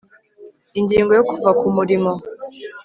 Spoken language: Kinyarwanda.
ingingo yo kuva ku mirimo